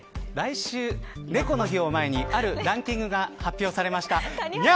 来週、猫の日を前にあるランキングが発表されました。